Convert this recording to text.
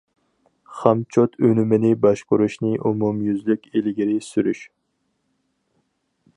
خامچوت ئۈنۈمىنى باشقۇرۇشنى ئومۇميۈزلۈك ئىلگىرى سۈرۈش.